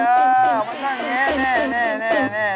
มันต้องอย่างนี้นี่